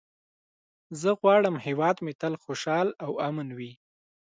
زه غواړم هېواد مې تل خوشحال او امن وي.